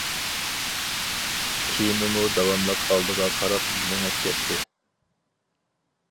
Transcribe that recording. كېمىمۇ داۋاملىق ئالدىغا قاراپ مېڭىپ كەتتى.